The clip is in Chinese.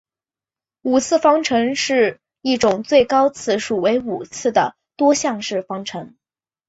五次方程是一种最高次数为五次的多项式方程。